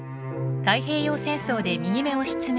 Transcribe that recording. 太平洋戦争で右目を失明。